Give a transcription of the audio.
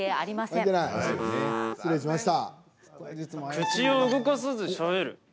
口を動かさずしゃべる。